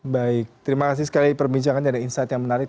baik terima kasih sekali terima kasih